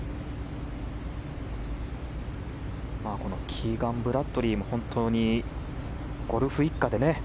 キーガン・ブラッドリーも本当にゴルフ一家でね